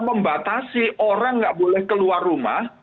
membatasi orang nggak boleh keluar rumah